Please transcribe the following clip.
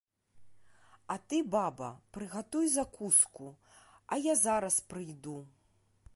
А ты, баба, прыгатуй закуску, а я зараз прыйду.